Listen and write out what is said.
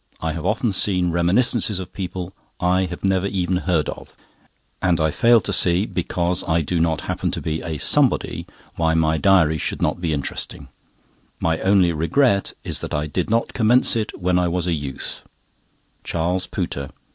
I have often seen reminiscences of people I have never even heard of, and I fail to see—because I do not happen to be a 'Somebody'—why my diary should not be interesting. My only regret is that I did not commence it when I was a youth. CHARLES POOTER.